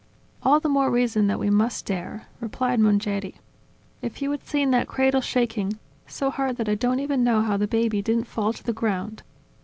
"All the more reason that we must dare," replied Mongeri. "If you had seen that cradle shaking, so hard that I don't even know how the baby didn't fall to the ground!